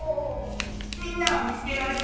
みんなはみつけられた？